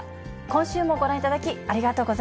今週もご覧いただきありがとうご